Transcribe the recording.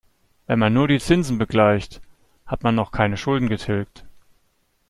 Wenn man nur die Zinsen begleicht, hat man noch keine Schulden getilgt.